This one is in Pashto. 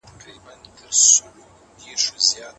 هلک په خندا کې خپله انا نوره هم وځوروله.